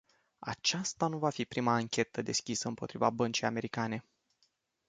Aceasta nu va fi prima anchetă deschisă împotriva băncii americane.